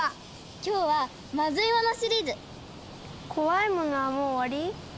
今日はまずいものシリーズ。こわいものはもう終わり？